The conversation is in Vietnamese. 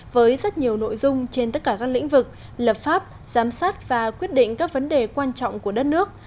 với rất nhiều nội dung trên tất cả các lĩnh vực lập pháp giám sát và quyết định các vấn đề quan trọng của đất nước